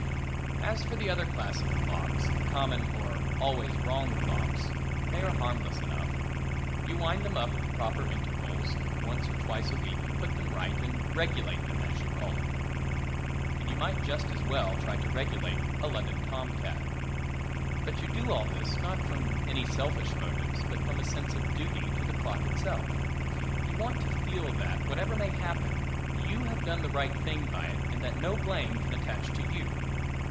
As for the other class of clocks the common or always wrong clocks they are harmless enough. You wind them up at the proper intervals, and once or twice a week you put them right and "regulate" them, as you call it (and you might just as well try to "regulate" a London tom cat). But you do all this, not from any selfish motives, but from a sense of duty to the clock itself. You want to feel that, whatever may happen, you have done the right thing by it, and that no blame can attach to you.